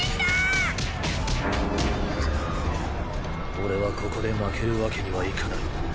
俺はここで負けるわけにはいかない。